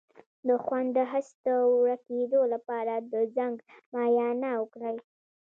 د خوند د حس د ورکیدو لپاره د زنک معاینه وکړئ